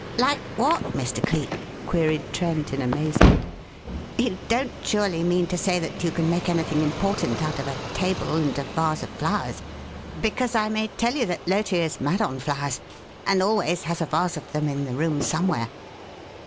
"Like what, Mr. Cleek?" queried Trent, in amazement. "You don't surely mean to say that you can make anything important out of a table and a vase of flowers? Because, I may tell you that Loti is mad on flowers, and always has a vase of them in the room somewhere."